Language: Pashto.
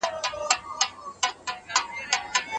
د ناروغانو حقونه باید خوندي وساتل سي.